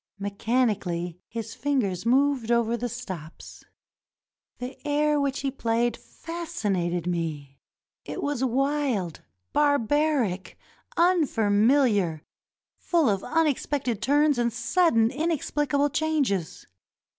Mechani cally his fingers moved over the stops. The air which he played fascinated me. It was wild, barbaric, unfamiHar, full of unexpected turns and sud den inexplicable changes.